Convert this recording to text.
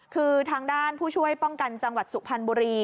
คือทางด้านผู้ช่วยป้องกันจังหวัดสุพรรณบุรี